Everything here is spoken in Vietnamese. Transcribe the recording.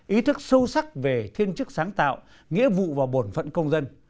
ý thức sâu sắc về thiên chức sáng tạo nghĩa vụ và bổn phận công dân